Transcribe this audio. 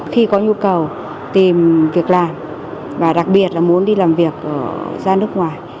khi có nhu cầu tìm việc làm và đặc biệt là muốn đi làm việc ra nước ngoài